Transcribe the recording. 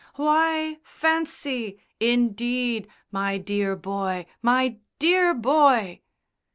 "Why! Fancy! Indeed. My dear boy. My dear boy!"